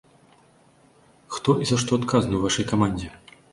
Хто і за што адказны ў вашай камандзе?